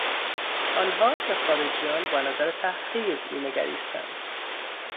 آنها به خارجیان با نظر تحقیر مینگریستند.